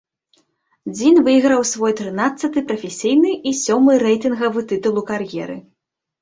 Дзін выйграў свой трынаццаты прафесійны і сёмы рэйтынгавы тытул у кар'еры.